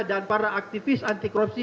dan para aktivis anti korupsi